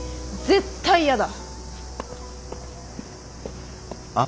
絶対やだ。